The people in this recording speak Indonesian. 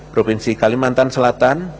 provinsi kalimantan selatan